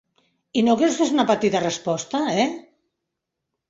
I no creus que és una resposta, eh?